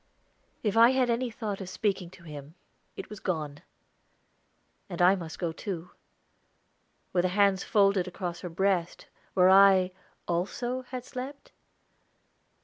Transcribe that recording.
If I had had any thought of speaking to him, it was gone. And I must go too. Were the hands folded across her breast, where I, also, had slept?